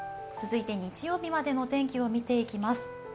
続いて日曜日までの天気を見ていきます。